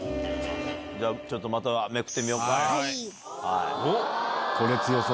じゃあ、ちょっとまためくっこれ強そう。